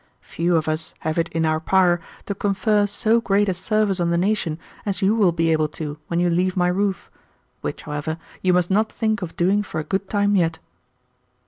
Few of us have it in our power to confer so great a service on the nation as you will be able to when you leave my roof, which, however, you must not think of doing for a good time yet."